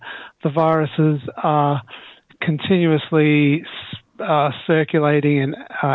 jadi virus virus selalu berkelanjutan di anggota